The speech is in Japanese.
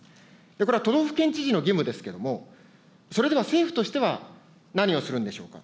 これは都道府県知事の義務ですけれども、それでは政府としては、何をするんでしょうか。